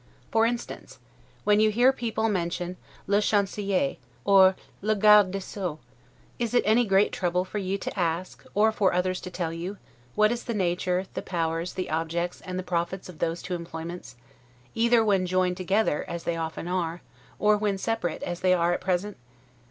For instance, when you hear people mention le Chancelier, or 'le Garde de Sceaux', is it any great trouble for you to ask, or for others to tell you, what is the nature, the powers, the objects, and the profits of those two employments, either when joined together, as they often are, or when separate, as they are at present?